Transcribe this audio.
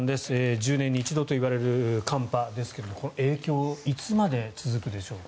１０年に一度といわれる寒波ですがこの影響いつまで続くでしょうか。